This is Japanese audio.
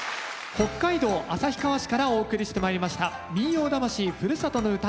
北海道旭川市からお送りしてまいりました「民謡魂ふるさとの唄」。